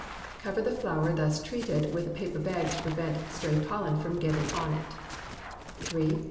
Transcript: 37, 38 39); (2) cover the flower thus treated with a paper bag to prevent stray pollen from getting on it (see Fig.